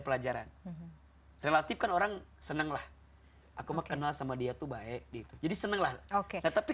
pelajaran relatifkan orang senenglah aku mengenal sama dia tuh baik gitu jadi senenglah oke tapi